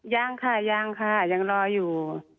ยังค่ะยังรออยู่